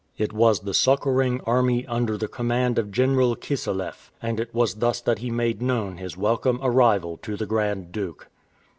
It was the succoring army under the command of General Kisselef, and it was thus that he made known his welcome arrival to the Grand Duke.